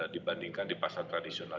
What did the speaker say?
dibandingkan di pasar tradisional